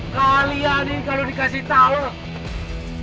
kalian ini kalau dikasih tahu